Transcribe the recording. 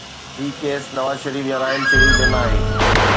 هي case Nawaz Sharif يا راحيل شريف جو ناهي.